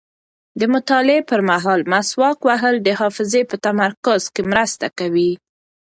د مطالعې پر مهال مسواک وهل د حافظې په تمرکز کې مرسته کوي.